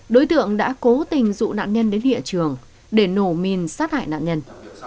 đối tượng đã cố tình dụ nạn nhân đến hiện trường để nổ mìn sát hại nạn nhân